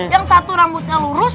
yang satu rambutnya lurus